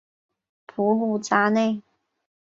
普卢扎内。